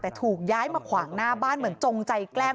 แต่ถูกย้ายมาขวางหน้าบ้านเหมือนจงใจแกล้ม